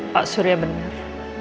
pak surya bener